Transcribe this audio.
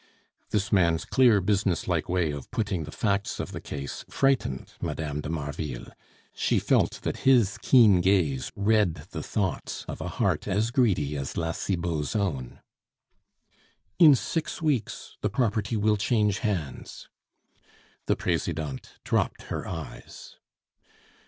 This man's clear, business like way of putting the facts of the case frightened Mme. de Marville; she felt that his keen gaze read the thoughts of a heart as greedy as La Cibot's own. "In six weeks the property will change hands." The Presidente dropped her eyes.